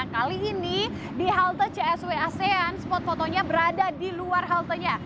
kali ini di halte csw asean spot fotonya berada di luar haltenya